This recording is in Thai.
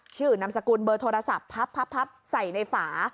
นามสกุลเบอร์โทรศัพท์พับใส่ในฝา